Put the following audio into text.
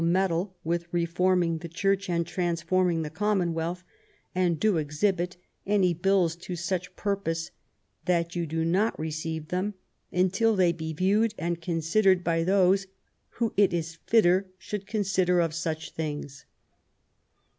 meddle with reforming the Church and transforming the commonwealth, and do exhibit any bills to such purpose, that you do not receive them until .they be viewed and considered by those who it is fitter should consider of such things".